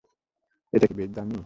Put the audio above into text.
এটা কি বেশ দামী?